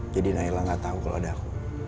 jadi naila gak tau kalo ada aku